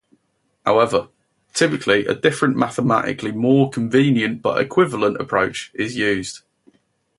However, typically a different, mathematically more convenient, but equivalent approach is used.